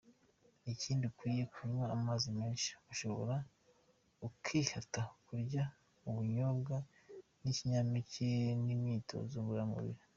Ikindi ukwiye kunywa amazi menshi ashoboka, ukihata kurya ubunyobwa n’ibinyampeke,n’ imyitozo ngororamubiri.